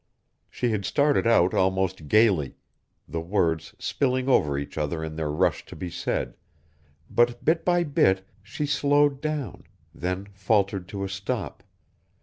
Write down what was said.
She had started out almost gaily, the words spilling over each other in their rush to be said, but bit by bit she slowed down, then faltered to a stop.